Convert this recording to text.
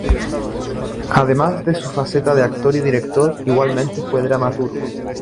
Además de su faceta de actor y director, igualmente fue dramaturgo.